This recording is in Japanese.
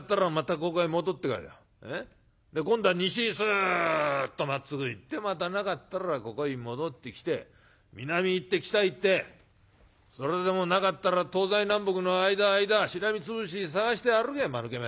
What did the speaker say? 今度は西へすっとまっつぐ行ってまたなかったらここへ戻ってきて南行って北行ってそれでもなかったら東西南北の間間しらみつぶしに探して歩けまぬけめ。